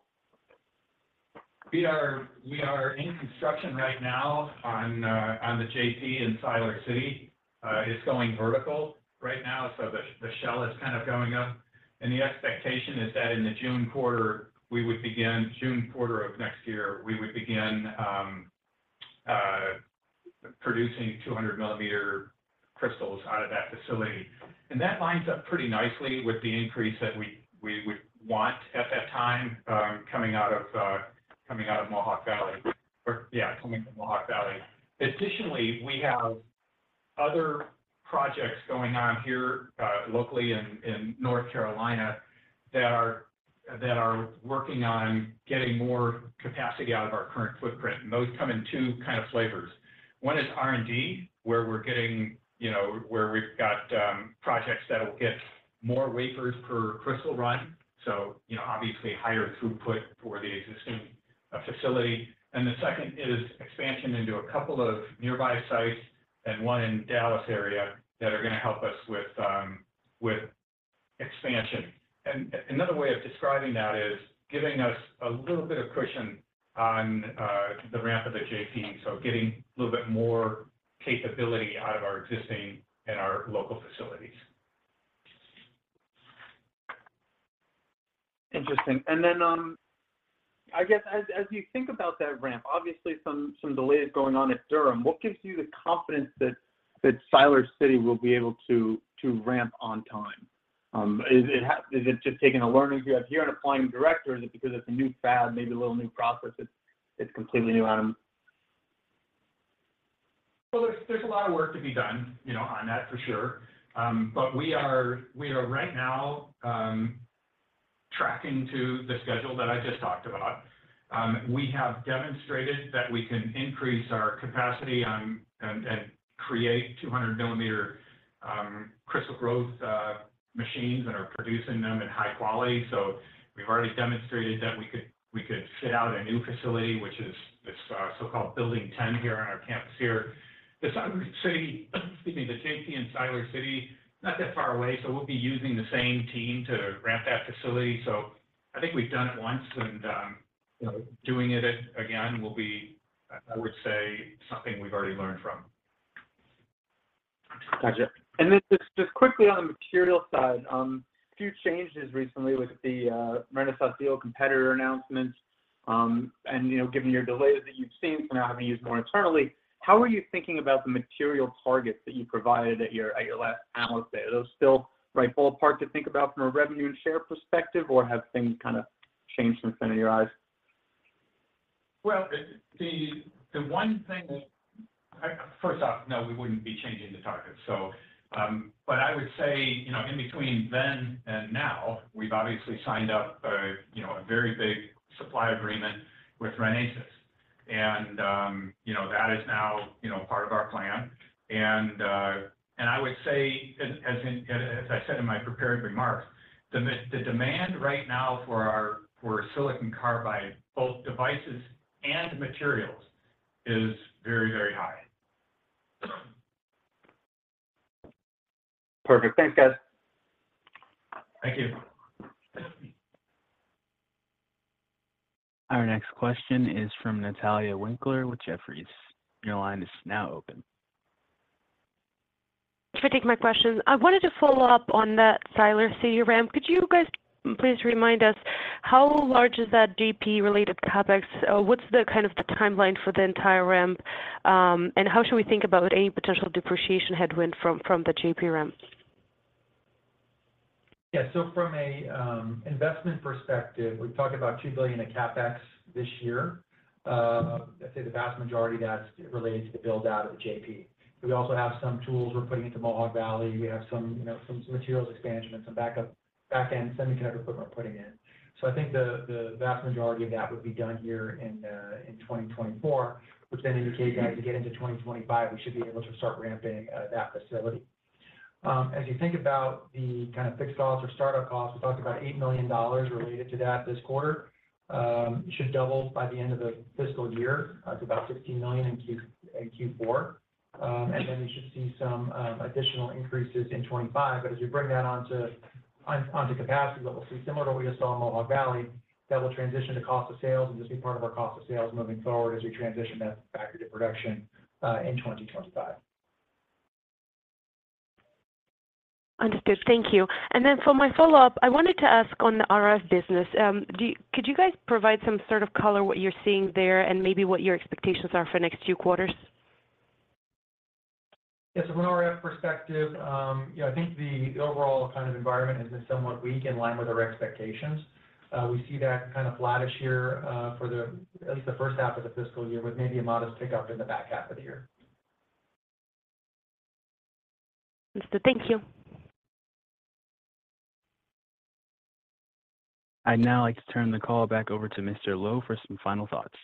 We are, we are in construction right now on, on the JP in Siler City. It's going vertical right now, so the, the shell is kind of going up. The expectation is that in the June quarter, we would begin-- June quarter of next year, we would begin producing 200 millimeter crystals out of that facility. That lines up pretty nicely with the increase that we, we would want at that time, coming out of, coming out of Mohawk Valley or, yeah, coming from Mohawk Valley. Additionally, we have other projects going on here, locally in, in North Carolina that are, that are working on getting more capacity out of our current footprint, and those come in two kind of flavors. One is R&D, where we're getting, you know, where we've got projects that will get more wafers per crystal run, so, you know, obviously higher throughput for the existing facility. The second is expansion into a couple of nearby sites and one in Durham area that are gonna help us with expansion. Another way of describing that is giving us a little bit of cushion on the ramp of the JP, so getting a little bit more capability out of our existing and our local facilities. Interesting. Then, I guess as, as you think about that ramp, obviously some, some delays going on at Durham, what gives you the confidence that, that Siler City will be able to, to ramp on time? Is it just taking a learning curve here and applying directly, or is it because it's a new fab, maybe a little new process, it's, it's completely new item? There's, there's a lot of work to be done, you know, on that, for sure. But we are, we are right now, tracking to the schedule that I just talked about. We have demonstrated that we can increase our capacity on, and create 200mm crystal growth machines that are producing them at high quality. We've already demonstrated that we could, we could fit out a new facility, which is this, so-called Building Ten here on our campus here. The Siler City, excuse me, the JP in Siler City, not that far away, so we'll be using the same team to ramp that facility. I think we've done it once, and, you know, doing it again will be, I, I would say, something we've already learned from. Gotcha. Just, just quickly on the material side, a few changes recently with the Renesas deal competitor announcements. You know, given your delays that you've seen from now having to use more internally, how are you thinking about the material targets that you provided at your, at your last analyst day? Are those still the right ballpark to think about from a revenue and share perspective, or have things kind of changed since then in your eyes? Well, the, the one thing—first off, no, we wouldn't be changing the target. But I would say, you know, in between then and now, we've obviously signed up a, you know, a very big supply agreement with Renesas. You know, that is now, you know, part of our plan. And I would say, as I said in my prepared remarks, the demand right now for our, for silicon carbide, both devices and materials, is very, very high. Perfect. Thanks, guys. Thank you. Our next question is from Natalia Winkler, with Jefferies. Your line is now open. Thanks for taking my question. I wanted to follow up on that Siler City ramp. Could you guys please remind us, how large is that JP related CapEx? What's the kind of the timeline for the entire ramp? How should we think about any potential depreciation headwind from the JP ramp? Yeah. From a investment perspective, we've talked about $2 billion in CapEx this year. I'd say the vast majority of that is related to the build-out of the JP. We also have some tools we're putting into Mohawk Valley. We have some, you know, some materials expansion and some backup, back-end semiconductor equipment putting in. I think the, the vast majority of that would be done here in 2024, which then indicates as we get into 2025, we should be able to start ramping, that facility. As you think about the kind of fixed costs or start-up costs, we talked about $8 million related to that this quarter. It should double by the end of the fiscal year. To about $16 million in Q4. Then we should see some additional increases in 2025. As we bring that onto onto capacity level, so similar to what we just saw in Mohawk Valley, that will transition to cost of sales and just be part of our cost of sales moving forward as we transition that factory to production in 2025. Understood. Thank you. Then for my follow-up, I wanted to ask on the RF business, could you guys provide some sort of color, what you're seeing there and maybe what your expectations are for the next 2 quarters? Yes, from an RF perspective, you know, I think the overall kind of environment has been somewhat weak, in line with our expectations. We see that kind of flattish year for the, at least the first half of the fiscal year, with maybe a modest pickup in the back half of the year. Understood. Thank you. I'd now like to turn the call back over to Gregg Lowe for some final thoughts.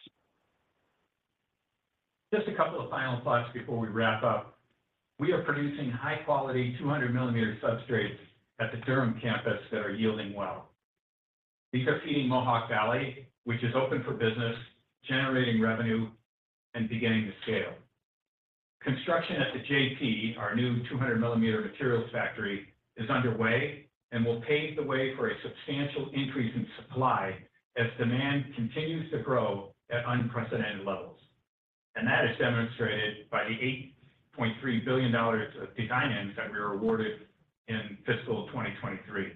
Just a couple of final thoughts before we wrap up. We are producing high-quality 200mm substrates at the Durham campus that are yielding well. These are feeding Mohawk Valley, which is open for business, generating revenue, and beginning to scale. Construction at the JP, our new 200mm materials factory, is underway and will pave the way for a substantial increase in supply as demand continues to grow at unprecedented levels. That is demonstrated by the $8.3 billion of design-ins that we were awarded in fiscal 2023.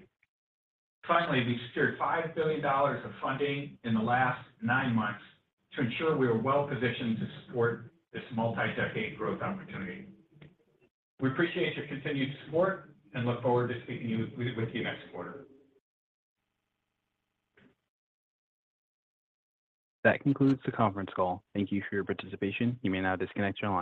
Finally, we've secured $5 billion of funding in the last nine months to ensure we are well positioned to support this multi-decade growth opportunity. We appreciate your continued support and look forward to speaking with you next quarter. That concludes the conference call. Thank you for your participation. You may now disconnect your line.